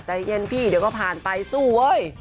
ใจเย็นพี่เดี๋ยวก็ผ่านไปสู้เว้ย